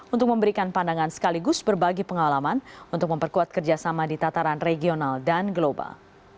untuk memberikan pandangan sekaligus berbagi pengalaman untuk memperkuat kerjasama di tataran regional dan global